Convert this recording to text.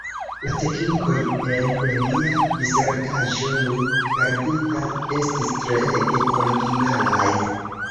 La teknikoj en lia disertaĵo, nun perdita, estis treege originalaj.